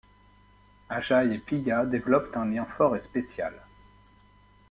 Ajay et Piya développent un lien fort et spécial.